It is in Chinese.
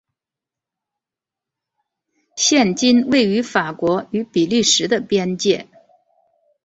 现今位于法国与比利时的边界。